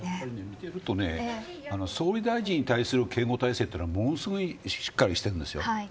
見ていると、総理大臣に対する警護態勢はものすごいしっかりしてるんです。